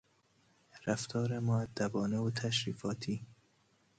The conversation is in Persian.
رفتار مودبانه و تشریفاتی